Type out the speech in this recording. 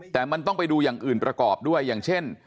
แต่มันต้องไปดูอย่างอื่นประกอบด้วยอย่างเช่น